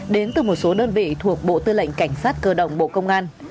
đến từ một số đơn vị thuộc bộ tư lệnh cảnh sát cơ động bộ công an